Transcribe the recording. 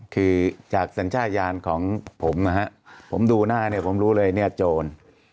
คือจากสัญชาติยานของผมนะฮะผมดูหน้าเนี่ยผมรู้เลยเนี่ยโจร